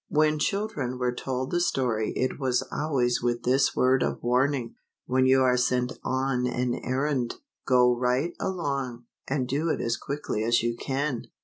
When children were told the story it was always with this word of warning : When you are sent on an errand, go right along, and do it as quickly as you can.